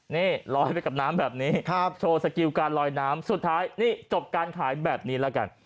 นี่ลอยไปกับน้ำแบบนี้โชว์สกิลการลอยน้ำสุดท้ายนี่จบการขายแบบนี้ละกัน